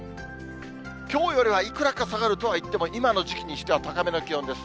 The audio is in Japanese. きょうよりはいくらか下がるとはいっても、今の時期にしては高めの気温です。